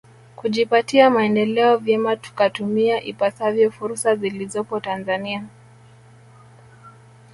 Kujipatia maendeleo vyema tukatumia ipasavyo fursa zilizopo Tanzania